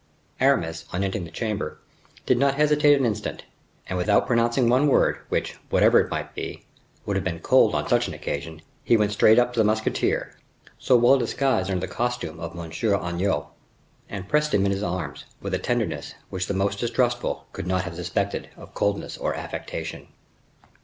Aramis, on entering the chamber, did not hesitate an instant; and without pronouncing one word, which, whatever it might be, would have been cold on such an occasion, he went straight up to the musketeer, so well disguised under the costume of M. Agnan, and pressed him in his arms with a tenderness which the most distrustful could not have suspected of coldness or affectation.